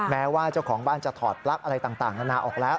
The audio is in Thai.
แม้ว่าเจ้าของบ้านจะถอดปลั๊กอะไรต่างนานาออกแล้ว